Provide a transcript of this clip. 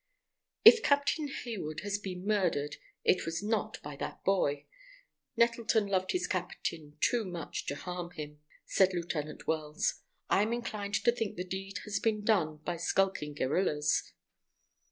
"If Captain Hayward has been murdered, it was not by that boy. Nettleton loved his captain too much to harm him," said Lieutenant Wells. "I am inclined to think the deed has been done by skulking guerrillas."